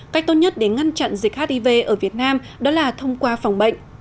cách tốt nhất để ngăn chặn dịch hiv ở việt nam đó là thông qua phòng bệnh